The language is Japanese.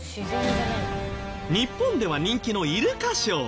日本では人気のイルカショー。